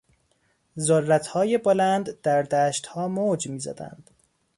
ذرتهای بلند در دشتها موج میزدند.